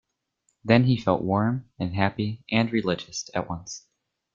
Then he felt warm and happy and religious at once.